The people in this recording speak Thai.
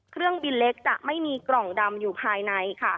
เครื่องบินเล็กจะไม่มีกล่องดำอยู่ภายในค่ะ